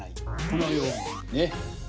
このようにね。